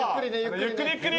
ゆっくりゆっくり。